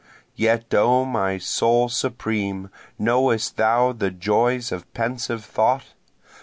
Yet O my soul supreme! Knowist thou the joys of pensive thought?